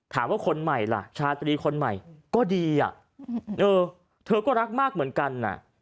คนใหม่ล่ะชาตรีคนใหม่ก็ดีอ่ะเออเธอก็รักมากเหมือนกัน